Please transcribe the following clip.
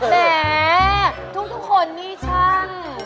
แหน่ดูกฟูขนนี้ช่าง